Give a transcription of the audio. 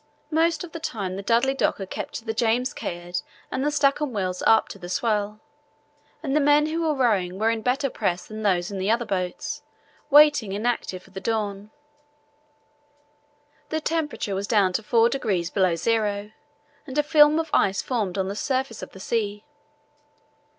Most of the time the Dudley Docker kept the James Caird and the Stancomb Wills up to the swell, and the men who were rowing were in better pass than those in the other boats, waiting inactive for the dawn. The temperature was down to 4° below zero, and a film of ice formed on the surface of the sea.